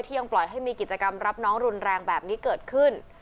ยังปล่อยให้มีกิจกรรมรับน้องรุนแรงแบบนี้เกิดขึ้น